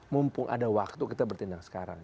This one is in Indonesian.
mumpung ada waktu kita bertindak sekarang